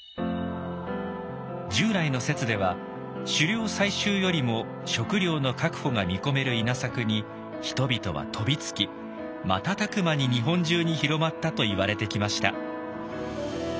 従来の説では狩猟採集よりも食料の確保が見込める稲作に人々は飛びつき瞬く間に日本中に広まったといわれてきました。